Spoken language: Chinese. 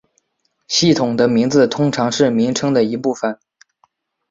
系统的名字通常是名称的一部分。